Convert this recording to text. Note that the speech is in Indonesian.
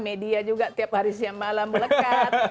media juga tiap hari siang malam melekat